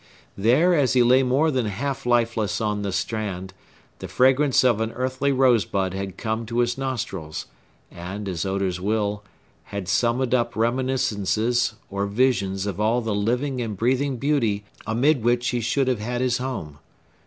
There, as he lay more than half lifeless on the strand, the fragrance of an earthly rose bud had come to his nostrils, and, as odors will, had summoned up reminiscences or visions of all the living and breathing beauty amid which he should have had his home.